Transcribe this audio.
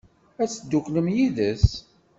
Ad tedduklem yid-s?